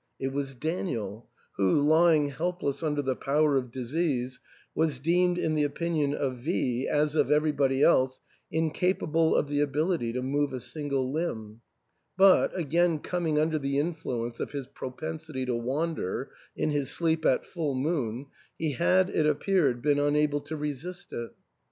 It was Daniel, who, lying helpless under the power of disease, was deemed in the opinion of V as of everybody else incapable of the ability to move a single limb ; but, again coming under the influence of his propensity to wander in his sleep at full moon, he had, it appeared, been unable to resist it.